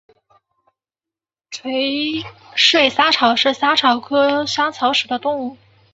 垂穗莎草是莎草科莎草属的植物。